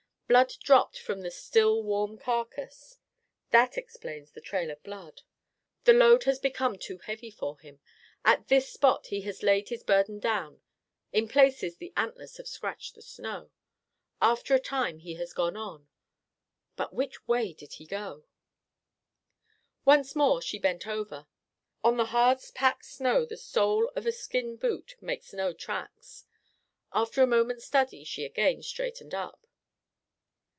Blood dropped from the still warm carcass. That explains the trail of blood. The load has become too heavy for him. At this spot he has laid his burden down. In places the antlers have scratched the snow. After a time he has gone on. But which way did he go?" Once more she bent over. On the hard packed snow, the sole of a skin boot makes no tracks. After a moment's study she again straightened up.